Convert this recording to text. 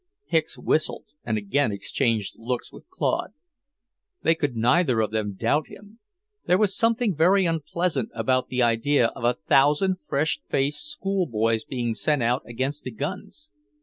Hicks whistled and again exchanged looks with Claude. They could neither of them doubt him. There was something very unpleasant about the idea of a thousand fresh faced schoolboys being sent out against the guns.